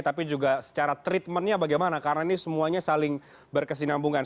tapi juga secara treatmentnya bagaimana karena ini semuanya saling berkesinambungan